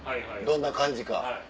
どんな感じか。